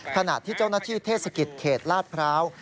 ขณะที่เจ้าหน้าที่เทศกิจเขตลาดพร้าว